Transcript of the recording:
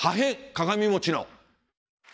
鏡餅の。